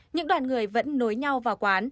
những đoàn người vẫn nối nhau vào quán